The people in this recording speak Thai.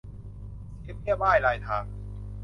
เสียเบี้ยบ้ายรายทาง